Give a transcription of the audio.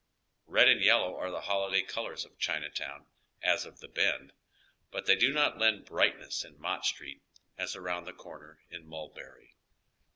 Ked and yellow are the holiday colors of Chinatown as of the Bend, but they do not lend brightness in Mott Street as around the comer in Mulberry.